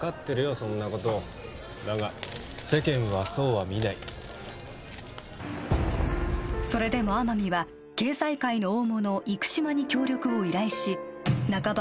そんなことだが世間はそうは見ないそれでも天海は経済界の大物生島に協力を依頼し半ば